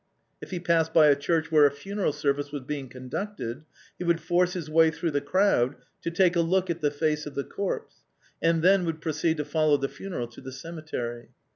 If he passed by a church where a funeral service was being conducted, he would force his way through the crowd to take a look at the face of the corpse, and then would proceed to follow the funeral to the cemetery.